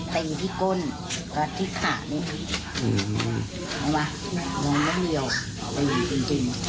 เป็นอยู่ที่ก้นแล้วที่ขาเนี่ยอืมอืมอืมอืมอืมอืม